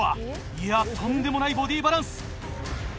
いやとんでもないボディーバランス。